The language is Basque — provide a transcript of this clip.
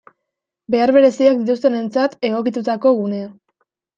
Behar bereziak dituztenentzat egokitutako gunea.